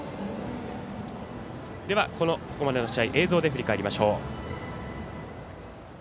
ここまでの試合映像で振り返りましょう。